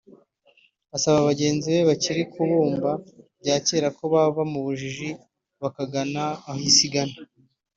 Asaba bagenzi be bakiri mu kubumba bya kera ko bava mu bujiji bakagana aho Isi igana